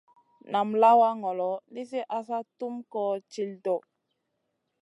Nam lawa ŋolo nizi asa tum koh til ɗoʼ.